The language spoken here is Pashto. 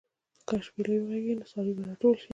که شپېلۍ وغږېږي، نو څاروي به راټول شي.